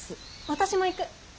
私も行く。